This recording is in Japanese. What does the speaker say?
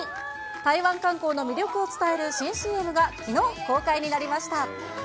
台湾観光の魅力を伝える新ＣＭが、きのう公開になりました。